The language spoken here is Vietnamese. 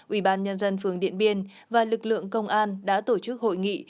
ubnd phường điện biên và lực lượng công an đã tổ chức hội nghị